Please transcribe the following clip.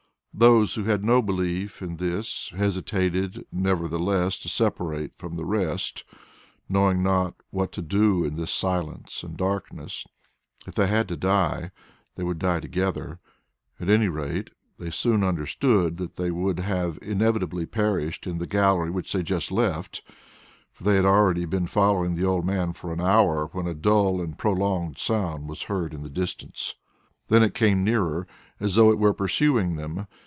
Those who had no belief in this hesitated nevertheless to separate from the rest, knowing not what to do in this silence and darkness. If they had to die, they would die together. At any rate, they soon understood that they would have inevitably perished in the gallery which they had just left, for they had hardly been following the old man for an hour when a dull and prolonged sound was heard in the distance. Then it came nearer, as though it were pursuing them.